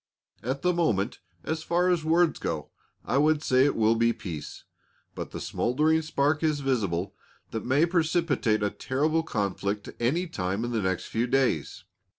At the moment, as far as words go, I would say it will be peace, but the smoldering spark is visible that may precipitate a terrible conflict any time in the next few days.